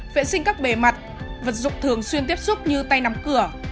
vệ sinh các bề mặt vật dụng thường xuyên tiếp xúc như tay nắm cửa